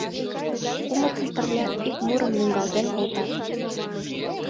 Кумытын пырля ик мурым лӱҥгалтен колтат.